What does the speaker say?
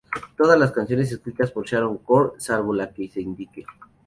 Todas las canciones escritas por Sharon Corr, salvo la que se indique.